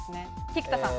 菊田さん。